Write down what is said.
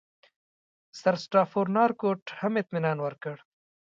سرسټافورنارتکوټ هم اطمینان ورکړ.